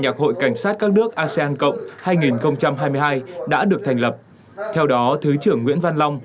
nhạc hội cảnh sát các nước asean cộng hai nghìn hai mươi hai đã được thành lập theo đó thứ trưởng nguyễn văn long